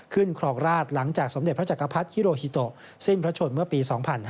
ครองราชหลังจากสมเด็จพระจักรพรรดิฮิโรฮิโตสิ้นพระชนเมื่อปี๒๕๕๙